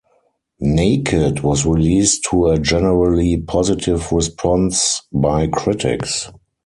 "Naked" was released to a generally positive response by critics.